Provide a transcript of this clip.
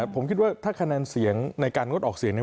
ผมคิดว่าถ้าคะแนนเสียงในการงดออกเสียง